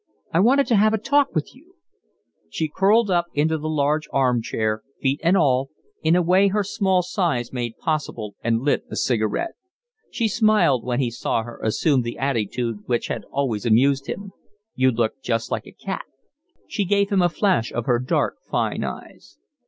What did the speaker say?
I wanted to have a talk with you." She curled herself into the large arm chair, feet and all, in a way her small size made possible, and lit a cigarette. He smiled when he saw her assume the attitude which had always amused him. "You look just like a cat." She gave him a flash of her dark, fine eyes.